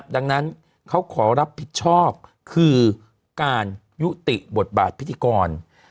ดังนั้นเขาขอรับผิดชอบคือการยุติบทบาทพิธีกร